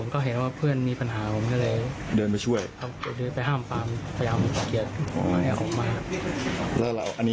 ก็เห็นว่าเพื่อนมีปัญหามัน